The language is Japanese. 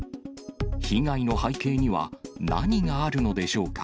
被害の背景には何があるのでしょうか。